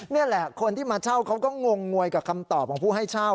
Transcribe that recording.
นี่แหละคนที่มาเช่าเขาก็งงงวยกับคำตอบของผู้ให้เช่า